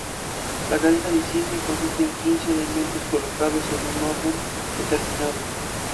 La cadena de la insignia consiste en quince elementos colocados en un orden determinado.